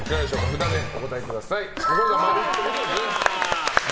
札でお答えください。